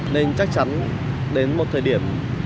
nên chắc chắn đến một thời điểm